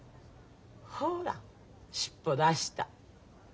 ほら尻尾出した。